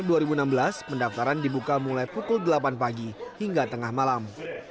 pada dua ribu enam belas pendaftaran dibuka mulai pukul delapan pagi hingga tengah malam